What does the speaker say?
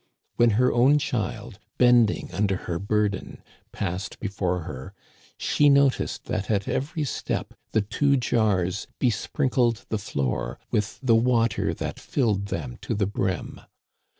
When her own child, bending under her burden, passed before her, she noticed that at every step the two jars besprinkled the floor with the water that filled them to the brim.